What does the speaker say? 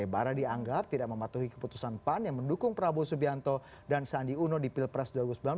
bara dianggap tidak mematuhi keputusan pan yang mendukung prabowo subianto dan sandi uno di pilpres dua ribu sembilan belas